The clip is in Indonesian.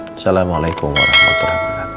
assalamualaikum warahmatullahi wabarakatuh